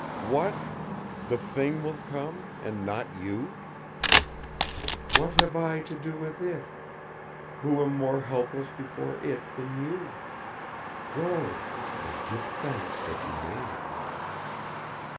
"What? The Thing will come, and not you?" "What have I to do with It, who am more helpless before It than you? Go; and give thanks that you may."